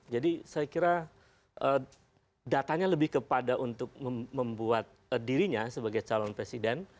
jadi saya kira datanya lebih kepada untuk membuat dirinya sebagai calon presiden